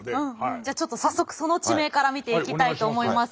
じゃあちょっと早速その地名から見ていきたいと思います。